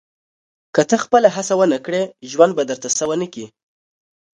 • که ته خپله هڅه ونه کړې، ژوند به درته څه ونه کړي.